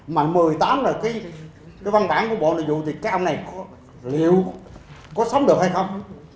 mà một mươi tám là cái văn bản của bộ nội dụ thì các ông này liệu có sống được hay không